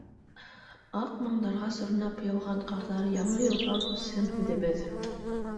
Аҡ моңдарға сорнап яуған ҡарҙар Яңы йылға күсһен һүҙебеҙ.